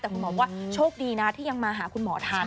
แต่คุณหมอบอกว่าโชคดีนะที่ยังมาหาคุณหมอทัน